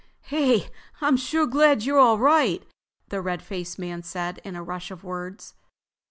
"Hey, I'm sure glad you're all right!" the red faced man said in a rush of words.